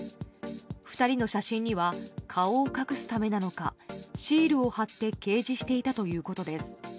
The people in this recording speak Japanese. ２人の写真には顔を隠すためなのかシールを貼って掲示していたということです。